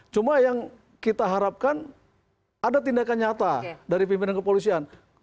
cuma yang kita harapkan ada tindakan nyata dari pimpinan kepolisian